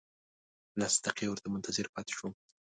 لس دقیقې ورته منتظر پاتې شوم.